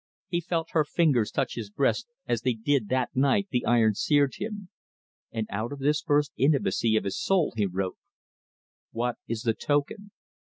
He felt her fingers touch his breast as they did that night the iron seared him; and out of this first intimacy of his soul he wrote: "What is the token?